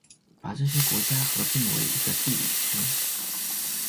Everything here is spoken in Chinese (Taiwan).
把這些國家合併為一個地理區